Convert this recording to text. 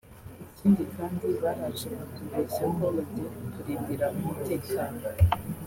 Ikindi kandi baraje batubeshya ko bagiye kuturindira umutekano